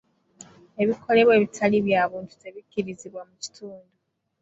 Ebikolwa ebitali bya buntu tebikkirizibwa mu kitundu.